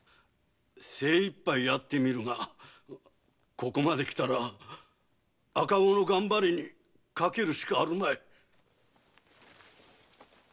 精一杯やってみるがここまできたら赤子のがんばりに賭けるしかあるまい。